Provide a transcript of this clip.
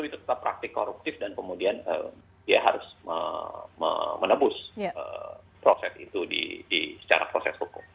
itu tetap praktik koruptif dan kemudian dia harus menebus proses itu secara proses hukum